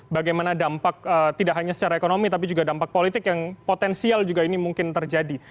bagaimana dampak tidak hanya secara ekonomi tapi juga dampak politik yang potensial juga ini mungkin terjadi